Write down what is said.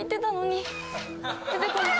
出てこない。